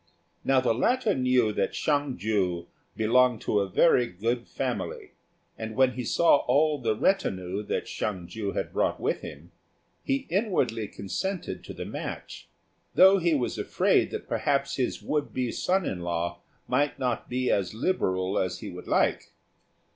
Now the latter knew that Hsiang ju belonged to a very good family; and when he saw all the retinue that Hsiang ju had brought with him, he inwardly consented to the match, though he was afraid that perhaps his would be son in law might not be as liberal as he would like.